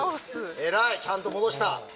偉いちゃんと戻した。